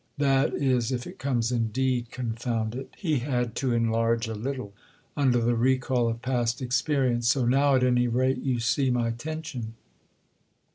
"That is if it comes indeed, confound it!"—he had to enlarge a little under the recall of past experience. "So now, at any rate, you see my tension!"